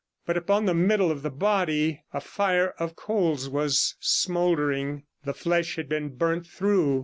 But upon the middle of the body a fire of coals was smouldering; the flesh had been burnt through.